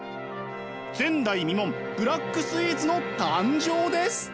前代未聞ブラックスイーツの誕生です。